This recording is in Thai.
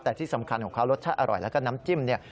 แต่ที่สำคัญของเขารสชาติอร่อยแล้วก็น้ำจิ้มเนี่ย